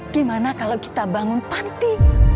gimana kalau kita bangun panti